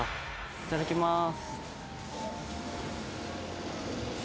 いただきます。